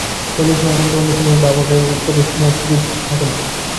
হলেও সেই আনন্দ অন্যের সঙ্গে ভাগাভাগি করে নেওয়ার সুযোগ থাকে না।